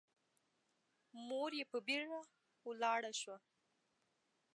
مور يې په بيړه ولاړه شوه.